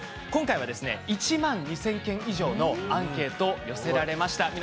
今回は１万２０００件以上のアンケート、寄せられました。